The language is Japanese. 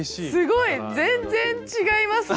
すごい全然違いますね！